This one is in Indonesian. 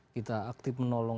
kita aktif menolong